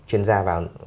chuyên gia vào